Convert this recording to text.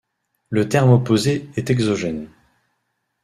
Le terme opposé est exogène.